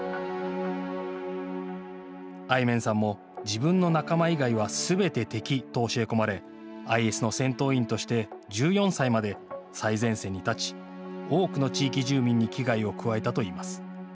アイメンさんも自分の仲間以外はすべて敵と教え込まれＩＳの戦闘員として１４歳まで最前線に立ち多くの地域住民に危害を加えたといいます。